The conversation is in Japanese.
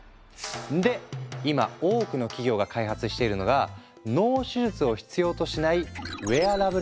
で今多くの企業が開発しているのが脳手術を必要としない